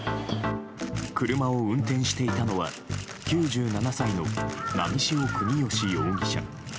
車を運転していたのは９７歳の波汐國芳容疑者。